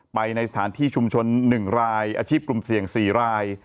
ไปในสถานที่ชุมชน๑รายอาชีพกลุ่มเสี่ยง๔ราย